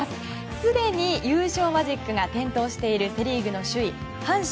すでに優勝マジックが点灯しているセ・リーグの首位、阪神。